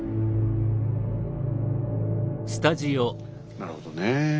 なるほどね。